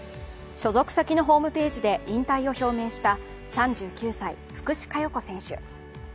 所属先のホームページで引退を表明した３９歳、福士加代子選手。